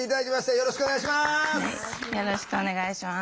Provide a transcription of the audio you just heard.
よろしくお願いします。